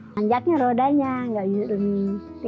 tanjaknya rodanya tidak ada yang mencari